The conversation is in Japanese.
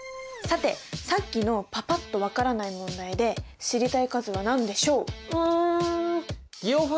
さてさっきのパパっと分からない問題で知りたい数は何でしょう？